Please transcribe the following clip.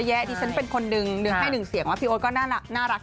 แคมเปญนี้เป็นแคมเปญการผู้สนนะครับ